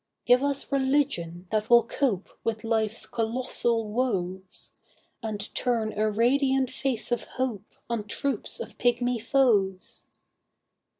Give us religion that will cope With life's colossal woes, And turn a radiant face of hope On troops of pigmy foes.